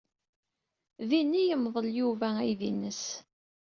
Din ay yemḍel Yuba aydi-nnes.